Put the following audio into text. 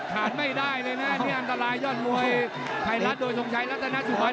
ขาดไม่ได้เลยนะนี่อันตรายยอดมวยไทยรัฐโดยทรงชัยรัฐนาสุบัน